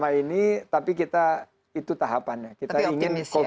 lalu wall street harus melengkapi dengan baik